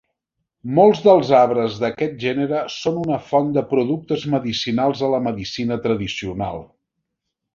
Molts dels arbres d'aquest gènere són una font de productes medicinals a la medicina tradicional.